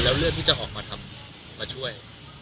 แล้วเลือกที่จะออกมาทำมาช่วย